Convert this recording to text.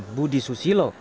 pembimbing budi susilo